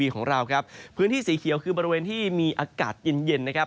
ของเราครับพื้นที่สีเขียวคือบริเวณที่มีอากาศเย็นเย็นนะครับ